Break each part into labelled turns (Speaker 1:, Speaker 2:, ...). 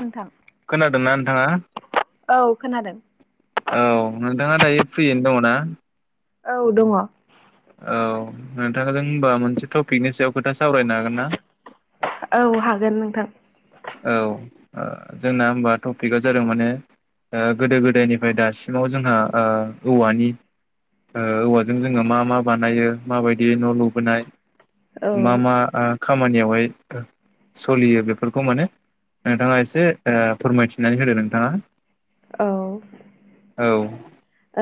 Speaker 1: नोंथां
Speaker 2: खोनादोंना नोंथाङा?
Speaker 1: औ खोनादों
Speaker 2: औ नोंथाङा दायो फ्रियैनो दङ ना?
Speaker 1: औ दङ ।
Speaker 2: औ नोंथांजों होमबा मोनसे टपिकनि सायाव खोथा सावरायनो हागोन ना?
Speaker 1: औ हागोन नोंथां ।
Speaker 2: औ जोंना होमबा टपिकआ जादों माने ओ गोदो गोदायनिफ्राय दासिमाव जोंहा ओ औवानि ओ औवाजों जोङो मा मा बानायो माबायदि न' लुबोनाय
Speaker 1: औ
Speaker 2: मा मा ओ खामानियावहाय सलियो बे फोरखौ मोनो नोंथाङा एसे फोरमायथिनानै होदो नोंथांङा ।
Speaker 1: औ ।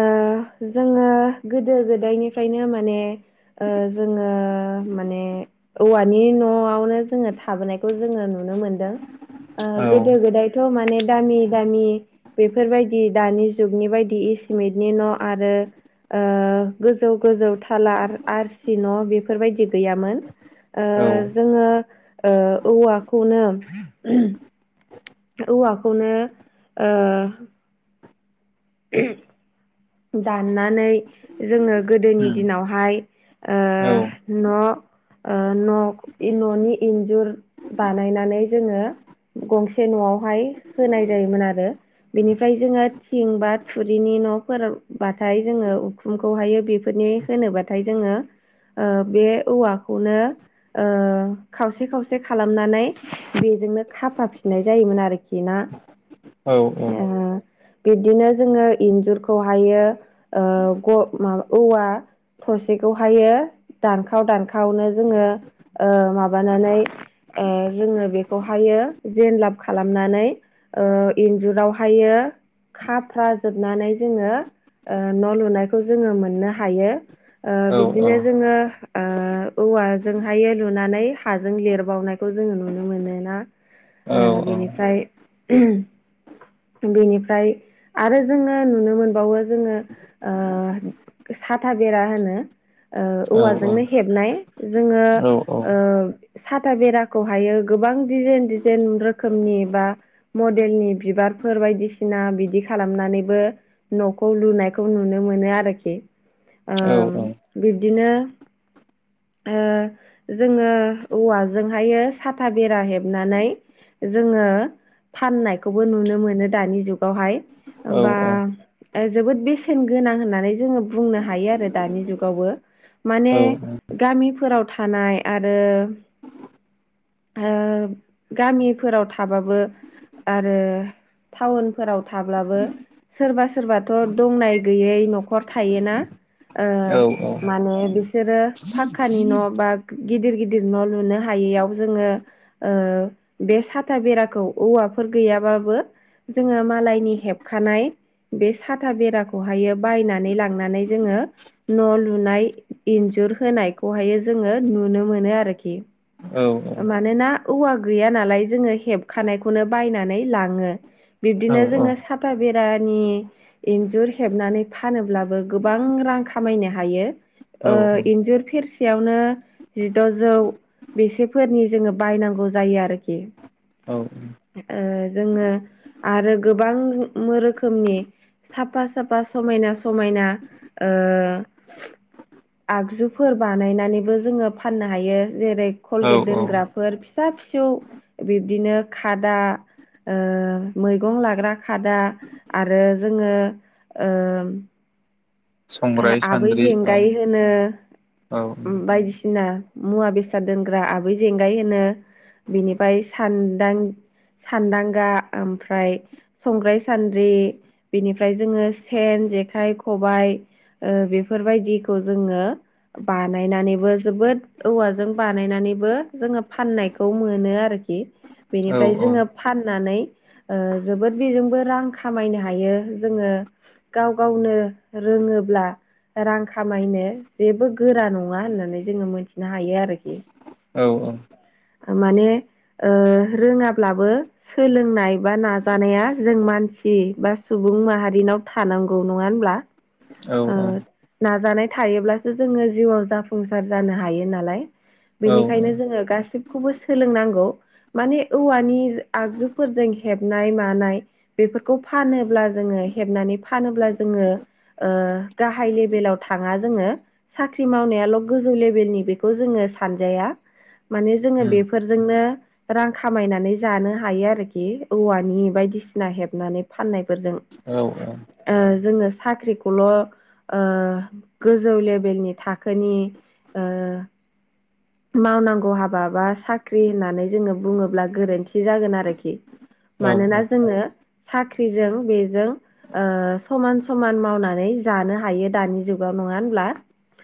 Speaker 1: ओ जोङो गोदो गोदायनिफ्रायनो माने ओ जोङो माने औवानि न'आवनो जोङो थाबोनाय । खौ जोङो नुनो मोनदों । ओ
Speaker 2: औ
Speaker 1: गोदो गोदायथ' माने दामि दामि बेफोरबायदि दानि जुगनि बायदि चिमेनटनि न' आरो ओ गोजौ गोजौ खाालार आरसि न' बेफोरबायदि गैयामोन । ओ
Speaker 2: औ
Speaker 1: जोङो ओ औवाखौनो औवाखौनो ओ दानना नै जोङो गोदोनि दिनावहाय ओ
Speaker 2: औ
Speaker 1: न' ओ न' इ न'नि इन्जुर बानायनानै जोङो गंसे न'आवहाय होनाय जायोमोन आरो । बेनिफ्राय जोङो थिं बा थुरिनि न'फोराव बाथाय जोङो उखुमखौहायो बेफोरनि होनोबाथाय जोङो ओ बे औवाखौनो ओ खावसे खावसे खालामनानै बेजोंनो खाफा फिननाय जायोमोन आरोखि ना
Speaker 2: औ औ ।
Speaker 1: बिबदिनो जोङो इन्जुरखौहायो ओ ग मा औवा थसेखौहायो दानखाव दानखावनो जोङो ओ मा माबानानै ओ जोङो बेखौहायो जेन लाब खालामनानै ओ इन्जुरावहायो खाफ्रा जोबनानै जोङो न' लुनायखौ जोङो मोननो हायो ओ
Speaker 2: औ
Speaker 1: बिदिनो जोङो ओ औवाजोंहायो लुनानै हाजों लिरबावनाय खौ जोङो नुनो मोनोना
Speaker 2: औ
Speaker 1: बिनिफ्राय बेनिफ्राय आरो जोङो नुनो मोनबावो जोङो साथा बेरा होनो ओ
Speaker 2: औ औ
Speaker 1: औवाजोंनो हेबनाय जोङो
Speaker 2: औ
Speaker 1: ओ साथा बेराखौहायो गोबां डिजाइन डिजाइन रोखोमनि एबा म देलनि बिबारफोर बायदिसिना बिदि खालामनानैबो न'खौ लुनायखौ नुनो मोनो आरोखि ओम बि दिनो ओ जोङो औवाजोंहायो साथा बेरा हेबनानै जोङो फाननायखौबो नुनो मोनो दानि जुग गावहाय बा जोबोद बेसेन गोनां होननानै जोङो बुंनो हायो आरो दानि जुगावबो माने गामिफोराव थानाय आरो गामिफोराव थाबाबो आरो टाउनफोराव थाब्लाबो सोरबा सोरबाथ' दंनाय गैयै न'खर थायोना ओ माने बिसोरो फक्कानि न' बा गिदिर गिदिर न' लुनो हायैयाव जोङो ओ बे साथा बेराखौ औवाफोर गैयाबाबो जोङो मालायनि हेबखानाय बे साथा बेराखौहायो बायनानै लांनानै जोङो न' लुनाय इन्जुर होनायखौहायो जोङो नुनो मोनो आरोखि मानोना औवा गैया नालाय जोङो हेबखानायखौनो बायनानै लाङो बिबदिनो जोङो साथा बेरा नि इन्जुर हेबनानै फानोब्लाबो गोबां रां खामायनो हायो
Speaker 2: औ
Speaker 1: ओ इन्जुर फेर सेयावनो जिद'जौ बेसेफोरनि जोङो बायनांगौ जायो आरोखि ओ जोङो आरो गोबां रोखोम खोमनि साफा साफा समायना समायना ओ आगजुफोर बानायनानैबो जोङो फाननो हायो जेरै
Speaker 2: औ
Speaker 1: कलगेट
Speaker 2: औ
Speaker 1: दोनग्राफोर फिसा फि सौ बिब्दिनो खादा मैगं लाग्रा खादा आरो जोङो ओ
Speaker 2: संग्राय
Speaker 1: आबै
Speaker 2: सान्द्रि औ
Speaker 1: जेंगाय होनो
Speaker 2: औ
Speaker 1: बायदिसिना मुवा बेसाद दोनग्रा आबै जेंगाय होनो बिनिफाय सानदां सान्दांगा ओमफ्राय संग्राय सान्द्रि बेनिफ्राय जोङो सेन जेखाइ खबाइ बेफोरबायदिखौ जोङो बानायनानैबो जोबोद औवाजों बानाय नानैबो जोङो फाननायखौ मोनो आरोखि।
Speaker 2: औ
Speaker 1: बेनिफ्राय जोङो फाननानै जोबोद बेजोंबो रां खामायनो हायो जोङो गाव गावनो रोङो ब्ला रां खामायनो जेबो गोरा नङा होननानै जोङो मिथिनो हायो आरोखि
Speaker 2: औ औ।
Speaker 1: माने रोङाब्लाबो सोलोंनाय बा नाजानाया जों मानसि बा सुबुं सुबुं माहारिनाव थानांगौ नङा होनब्ला?
Speaker 2: औ
Speaker 1: ओ
Speaker 2: औ
Speaker 1: नाजानाय थायोब्लासो जोङो जिउआव जाफुंसार जानो हायो नालाय।
Speaker 2: औ
Speaker 1: बेनिखायनो जोङो गासिबखौबो सोलोंनांगौ। माने औवानि आगजुफोरजों हेबनाय मानाय बेफोरखौ फानोब्ला जों ओ हेबनानै फानोब्ला जोङो ओ गाहाय लेभेलाव थाङा जोङो। साख्रि मावनायाल' गोजौ लेभेलनि बेखौ जोङो सानजाया माने जोङो बेफोरजोंनो रां खामायनानै जानो हायो आरोखि औवानि बायदिसिना हेबनानै फाननाय फोरजों
Speaker 2: औ
Speaker 1: जोङो साख्रि खौल' गोजौ लेभेलनि थाखोनि ओ मावनांगौ हाबा बा साख्रि होननानै जोङो बुङोब्ला गोरो न्थि जागोन आरोखि
Speaker 2: औ
Speaker 1: मानोना जोंनो साख्रिजों बेजों समान समान मावनानै जानो हायो दानि जुगाव नङा होमब्ला?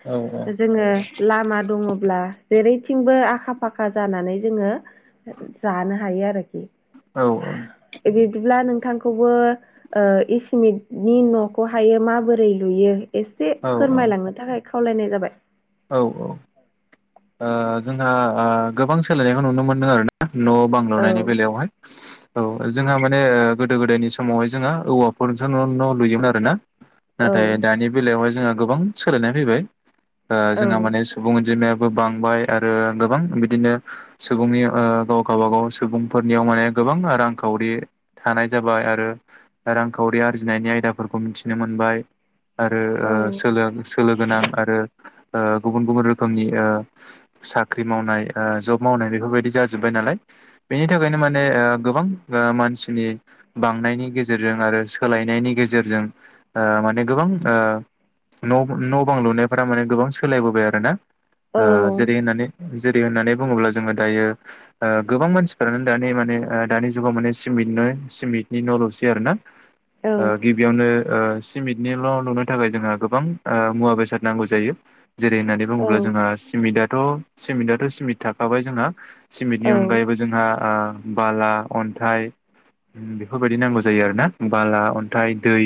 Speaker 2: ओ
Speaker 1: जोङो लामा दङब्ला जेरैथिंबो आखा फाखा जानानै जोङो जानो हायो आरोखि। बिदिब्ला नों थांखौबो इसिमिटनि न'खौहायो माबोरै लुयो एसे फोरमायलांनो थाखाय खावलायनाय जाबाय।
Speaker 2: औ औ जोंहा गोबां सोलायनायखौ नुनो मोनदों आरोना। न' बां
Speaker 1: औ
Speaker 2: लुनायनि बेलायावहाय। औ जोंहा माने गोदो गोदायनि समावहाय जोंहा औवाफोरजों न' न' लुयोमोन आरोना।
Speaker 1: औ
Speaker 2: नाथाय दानि बेलायावहाय जोंहा गोबां सोलायनाय फैबाय
Speaker 1: औ
Speaker 2: जोंहा माने सुबुं अनजिमाया बो बांबाय आरो गोबां बिदिनो सुबुंनि गाव गावबा गाव सुबुंफोरनियाव माने गोबां रांखावरि थानाय जाबाय आरो रांखावरि आरजिनायनि आयदाफोरखौ मिथिनो मोनबाय आरो
Speaker 1: औ
Speaker 2: सोलो सोलो गोनां आरो गुबुन गुबुन रोखोमनि साख्रि मावनाय जब मावनाय बेफोरबायदि जाजोब्बाय। नालाय बेनि थाखायनो माने गोबां मानसिनि बांनायनि गेजेरजों आरो सोलायनायनि गेजेरजों माने गोबां न' बां लुनाय फोरा माने गोबां सोलायबोबाय आरो ना
Speaker 1: औ
Speaker 2: जेरै होननानै जेरै होननानै बुङोब्ला जोङो दायो गोबां मानसिफोरानो दानि माने दानि जुगाव माने सिमिट नो सिमिटनि न' लुसै आरोना।
Speaker 1: औ
Speaker 2: गिबियावनो सिमिटनि न' लुनो थाखाय जोंहा गोबां मुवा बेसाद नांगौ जायो जेरै होननानै
Speaker 1: औ
Speaker 2: बुङोब्ला जोंहा सिमिटा थ' सिमिटाथ' सिमिट थाखाबाय जोंहा सिमिटनि
Speaker 1: औ
Speaker 2: अनगायैबो जोंहा बाला, अन्थाइ बेफोरबायदि नांगौ जायो आरोना बाला, अन्थाइ, दै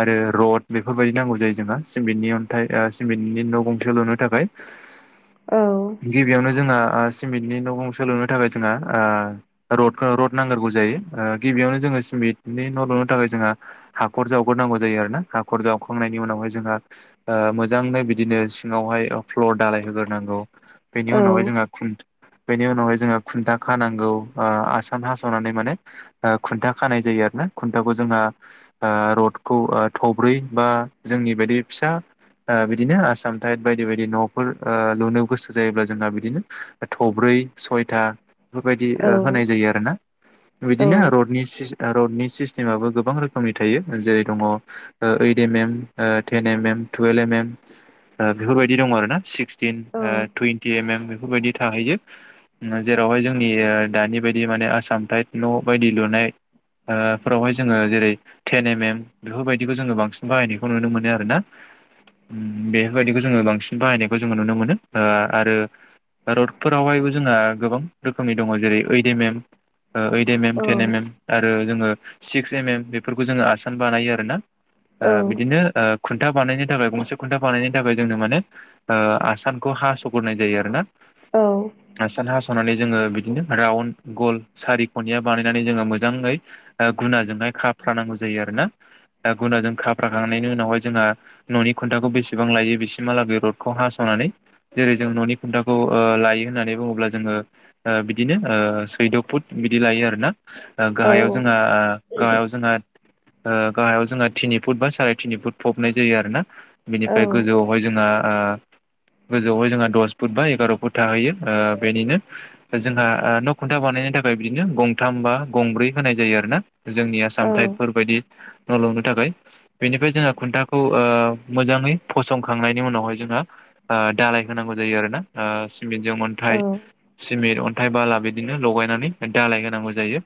Speaker 2: आरो रड बेफोरबायदि नांगौ जायो जोंहा जों बिनियाव [unintelligible] सिमिटनि न' गंसे लुनो थाखाय
Speaker 1: औ
Speaker 2: गिबियावनो जोंहा सिमिटनि न' गंसे लुनो थाखाय जोंहा रडखौ रड नांग्रोगौ जायो गिबियावनो जों ङो सिमिटनि न' लुनो थाखाय जोंहा हाखर जावग्रोनांगौ जायो आरोना हाखर जावखांनायनि उनावहाय जोंहा मोजाङै बिदिनो सिङावहाय फ्लर दालाय होग्रोनांगौ
Speaker 1: औ
Speaker 2: बेनि उनावहाय जोंहा बेनि उनावहाय जोङो खुन्था खानांगौ आसान हास'नानै माने खुन्था खानाय जायो आरोना खुन्थाखौ जोंहा रडखौ थब्रै बा जोंनि बायदि फिसा बिदिनो आसाम टाइफ बायदि बायदि न'फोर लुनो गोसो जायोब्ला जोंहा बिदिनो थ'ब्रै सयथा बेफोरबायदि
Speaker 1: औ
Speaker 2: होनाय जायो आरोना
Speaker 1: औ
Speaker 2: बिदिनो रडनि रडनि सिस्टेमाबबो गोबां रोखोमनि थायो जेरै दङ eight M M ten M m twelve M m बेफोरबायदि दं आरो ना सिक्स बेफोरबायदि थाहैयो जेरावहाय जोंनि दानि बायदि बि माने आसाम थाइफ न' बायदि लुनाय फोरावहाय जोङो जेरै टेन एम एम बेफोरबायदिखौ जोङो बांसिन बाहायनायखौ नुनो मोनो आरो ना बेफोरबायदिखौ जोङो बांसिन बाहायनायखौ जोङो नुनो मोनो आरो। रडफोरावहायबो जोंना गोबां रोखोमनि दङ जेरै eight M M eight M M ten M M आरो जोङो सिक्स एम एम बेफोरखौ जोङो आसान बानायो आरो ना ओ बिदिनो ओ खुन्था बानायनो थाखाय गंसे खुन्था बानायनो थाखाय जोंनो माने ओ आसानखौ हासगोरनाय जायो आरो ना। आसान हास'नानै जोङो बिदिनो राउन्ड गल सारिखनिया बानायनानै जोङो मोजाङै ओ गुनाजोंहाय खाफ्रानांगौ जायो आरो ना दा गुनाजों खाफ्राखांनायनि उनावहाय जोंहा न'नि खुन्थाखौ बेसेबां लायो बेसिमहालागै रडखौ हास'नानै जेरै जों न'नि खुन्थाखौ ओ लायो होननानै बुङोब्ला जोङो ओ बिदिनो ओ सैद' फुट बिदि लायो आरो ना। गाहायाव जोंहा ओ गाहायाव जोंहा ओ गाहायाव जोंङो थिनि फुट बा साराय तिनि फुट फबनाय जायो आरो ना। बिनिफ्राय गोजौआवहाय जोंहा ओ गोजौआवहाय जोंहा दस फुट बा एगार' फुट थाहैयो ओ बेनिनो जोंहा ओ न' खुन्था बानायनो थाख थाखाय बिदिनो गंथाम बा गंब्रै होनाय जायो आरोना। जोंनि आसाम थाइफ फोरबायायदि न' लुनो थाखाय बेनिफ्राय जोङो खुन्थाखौ ओ मोजाङै फसंखांनायनि उनावहाय जोंहा ओ दालाय होनांगौ जायो आरो ना ओ सिमेन्टजों अन्थाइ सिमेन्ट अन्थाइ बाला बिदिनो लगायनानै दालाय होनांगौ जायो।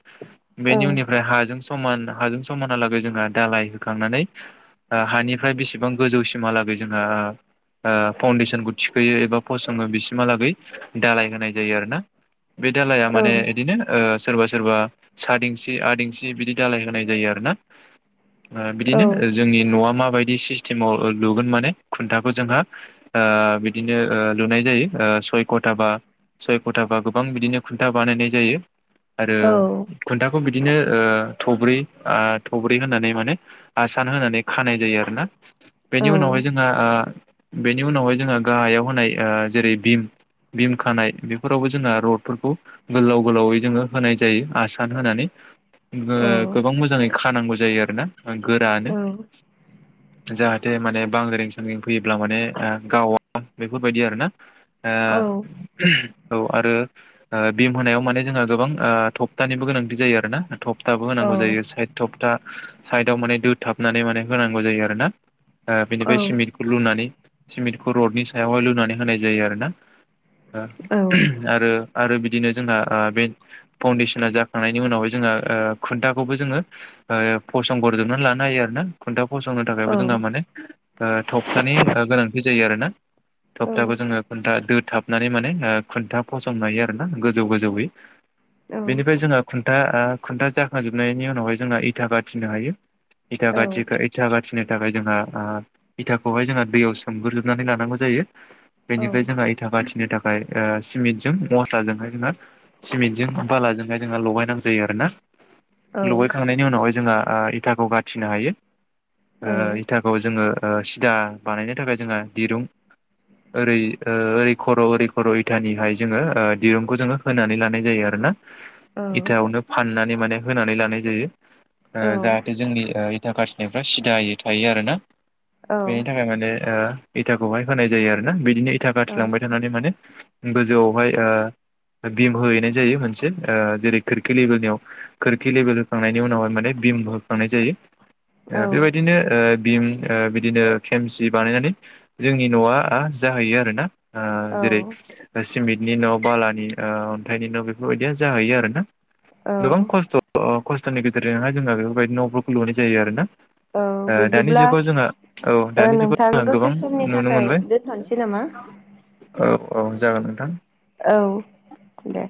Speaker 2: बेनि उननिफ्राय हाजों समान हाजों समानहालागै जोंहा दालाय होखांनानै ओ हानिफ्राय बेसेबां गोजौसिमहालागै जोंहा ओ फाउन्डेसनखौ थिखोयो एबा फसङो बिसिमहालागै दालाय होनाय जायो आरो ना। बे दालाया माने इदिनो ओ सोरबा सोरबा साद इंसि आद इंसि बिदि दालाय होनाय जायो आरो ना। ओ बिदिनो जोंनि न'आ माबायदि सिस सिस्टेमाव लुगोन माने खुन्थाखौ जोंहा ओ बिदिनो ओ लुनाय जायो ओ सय गट खथाबा सय खथाबा गोबां बिदिनो खुन्था बानायनाय जायो। आरो खुन्थाखौ बिदिनो ओ थ'ब्रै ओ थब्रै होनानै माने आसान होनानै खानाय जायो आरोना। बेनि उनावहाय जोंहा ओ बेनि उनावहाय जोंहा ओ गाहायाव होनाय जेरै भिम भिम खानाय बेफोरावबो जोंहा रडफोरखौ गोलाव गोलावै जोङो होनाय जायो आसान होनानै। गोबां मोजाङै खानांगौ जायो आरोना गोरानो। जाहाथे माने बांग्रिें सांग्रिं फैयोब्ला माने गावा बेफोरबायदि आरोना। ओ औ आरो ओ भिम होनायाव माने जोंहा ओ गोबां थख्थानिबो गोनांथि जायो आरोना। थख्थाबो होनांगौ जायो साइद थख्था साइदाव माने दोथाबनानै माने होनांगौ जायो आरोना। ओ
Speaker 1: औ
Speaker 2: बेनिफ्राय सिमेन्टखौ लुनानै सिमेन्टखौ रडनि सायावहाय लुनानै होनाय जायो आरोना
Speaker 1: औ
Speaker 2: आरो आरो बिदिनो जोंहा ओ बे फाउन्डेसना जाखांनायनि उनावहाय जोंहा खुन्थाखौबो जोङो फसंगोर जोबनानै लानो हायो आरो ना खुन्था फसंनो थाख
Speaker 1: औ
Speaker 2: जोंहा माने थख्थानि गोनांथि जायो आरोना।
Speaker 1: औ
Speaker 2: थख्थाखौ जोङो खन्था दो थाब नानै माने ओ खुनथा फसंनो हायो आरो ना गोजौ गोजौैयै।
Speaker 1: औ
Speaker 2: बेनिफ्राय जोंहा खुन्था ओ खुन्था जाखांजोबनायनि उनावहाय जोंना इथा गाथिनो हायो। इथा
Speaker 1: औ
Speaker 2: गाथि इथा गाथिनो थाखाय जोंहा ओ इथाखौहाय जोंहा दैयाव सोमग्रोजोबनानै लानांगौ जायो।
Speaker 1: औ
Speaker 2: बेनिफ्राय जोंहा इथा गाथिनो थाख ओमफ्राय सिमेन्टजों मस्लाजोंहाय जोंहा सिमेन्टजों बालाजोंहाय जोंहा लगायनांगौ जायो आरोना।
Speaker 1: औ
Speaker 2: लगायखांनायनि उनावहाय जोंहा ओ इथाखौ गाथिनो हायो। ओ इथाखौ जोङो ओ सिदा बानायनो थाखाय जोङो दिरुं ओरै ओ ओरै खर' ओरै खर' इथानिहाय जोङो ओ दिरुंखौ जोङो होनानै लानाय जायो आरोना। इथायावनो फाननानै माने होनानै लानाय जायो। ओ जाहाथे जोंनि ओ इथा खाथिनायफ्रा सिदायै थायो आरोना।
Speaker 1: औ
Speaker 2: बेनि थाखाय माने इथाखौहाय होनाय जायो आरोना बि बिदिनो इथा गाथिलांबाय थानानै माने गोजौआवहाय। बिम होहैनाय जायो मोनसे जेरै खोरखि लेभेलनियाव खोरखि लेभेल होखांनायनि उनावहाय माने। होखांनाय जायो बेबायदिनो। भिम बिदिनो खेमसि बानायनानै जोंनि न'आ जाहैयो आर ना।
Speaker 1: औ
Speaker 2: जेरै
Speaker 1: औ
Speaker 2: सिमेन्टनि न' बालानि अन्थाइनि न' बेफोरबायदिया जाहैयो आरोना। गोबां खस्थ' खस्थ'नि गेजेरजोंहाय जोङो बेफोरबायदि न'फोरखौ लुनाय जायो आरोना। दानि
Speaker 1: बिदिब्ला
Speaker 2: जुगाव जोंहा औ
Speaker 1: ओ
Speaker 2: दानि जुगाव
Speaker 1: नोंथां
Speaker 2: जोंहा
Speaker 1: दसे
Speaker 2: गोबां
Speaker 1: समनि
Speaker 2: नुनो
Speaker 1: थाखाय
Speaker 2: मोनबाय।
Speaker 1: दोनथ'नोसै नामा
Speaker 2: औ औ जागोन नोंथां।
Speaker 1: औ दे